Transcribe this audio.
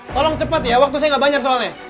tolong cepat ya waktu saya gak banyak soalnya